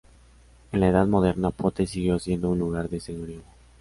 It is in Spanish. En la Edad Moderna, Potes siguió siendo un lugar de señorío.